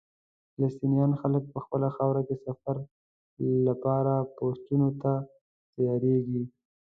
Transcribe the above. فلسطیني خلک په خپله خاوره کې سفر لپاره پوسټونو ته تېرېږي.